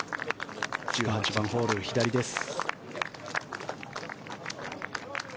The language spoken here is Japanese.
１８番ホール、左です。